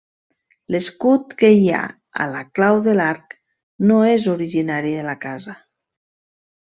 L'escut que hi ha a la clau de l'arc no és originari de la casa.